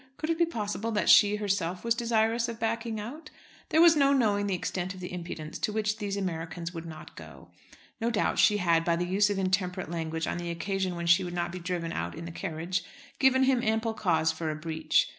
Could it be possible that she herself was desirous of backing out. There was no knowing the extent of the impudence to which these Americans would not go! No doubt she had, by the use of intemperate language on the occasion when she would not be driven out in the carriage, given him ample cause for a breach.